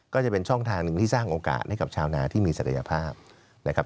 ก็จะเป็นช่องทางหนึ่งที่สร้างโอกาสให้กับชาวนาที่มีศักยภาพนะครับ